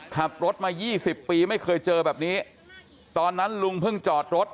ขับรถมา๒๐ปีไม่เคยเจอแบบนี้ตอนนั้นลุงเพิ่งจอดรถ